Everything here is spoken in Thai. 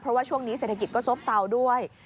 เพราะว่าช่วงนี้เศรษฐกิจก็ซบเศร้าด้วย